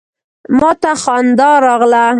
ما ته خندا راغله.